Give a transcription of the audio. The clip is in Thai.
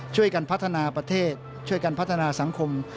ช่วยกันพัฒนาประเทศช่วยกันพัฒนาสังคม